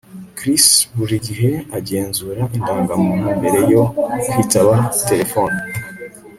Chris buri gihe agenzura indangamuntu mbere yo kwitaba terefone